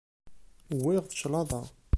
Wwiɣ-d claḍa.